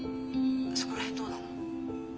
そこら辺どうなの？